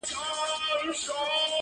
بوډا وویل پیسو ته نه ژړېږم٫